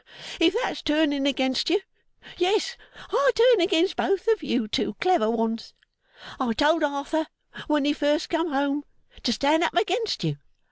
If that's turning against you, yes, I turn against both of you two clever ones. I told Arthur when he first come home to stand up against you.